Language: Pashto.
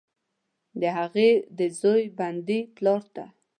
د هغې، د زوی، بندي پلارته،